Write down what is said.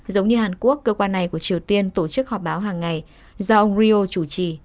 giống như hàn quốc cơ quan này của triều tiên tổ chức họp báo hàng ngày do ông rio chủ trì